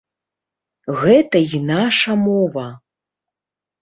Гэта і наша мова.